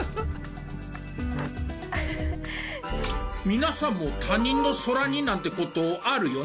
皆さんも他人の空似なんて事あるよね。